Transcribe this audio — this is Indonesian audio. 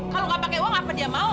kalau gak pake uang apa dia mau